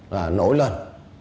là nổi lên